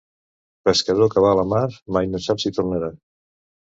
Pescador que va a la mar mai no sap si tornarà.